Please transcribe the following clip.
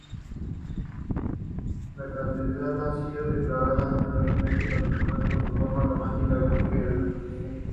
La catedral ha sido declarada monumento patrimonial por su forma románica, gótica y renacentista.